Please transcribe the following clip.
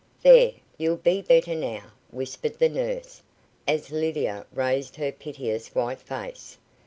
"There, you'll be better now," whispered the nurse, as Lydia raised her piteous white face.